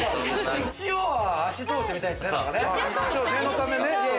一応は足通してみたいんですね。